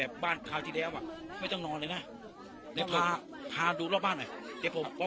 เอ๊ยนุ้มพ้นมามากเดือนที่ผมมาประมาณไม่ใช่แบบนี้นะ